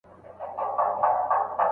حضرت عایشه رضي الله عنها کوم روایت بیانوي؟